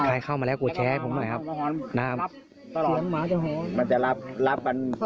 ใครเข้ามาแล้วกูแชร์ให้ผมหน่อยครับ